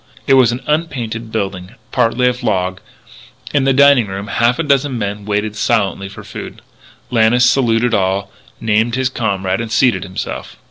It was an unpainted building, partly of log. In the dining room half a dozen men waited silently for food. Lannis saluted all, named his comrade, and seated himself.